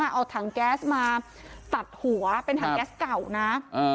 เอาถังแก๊สมาตัดหัวเป็นถังแก๊สเก่านะ